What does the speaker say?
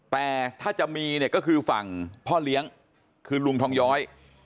แต่ถ้าจะมีเนี่ยก็คือฝั่งพ่อเลี้ยงคือลุงทองย้อย